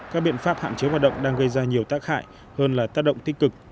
các biện pháp hạn chế hoạt động đang gây ra nhiều tác hại hơn là tác động tích cực